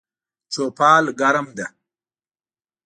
چوپال ګرم ده